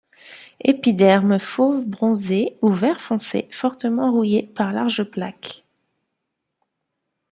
Épiderme fauve bronzé ou vert foncé, fortement rouillé par larges plaques.